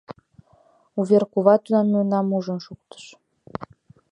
— Вуверкува тунам мемнам ужын шуктыш.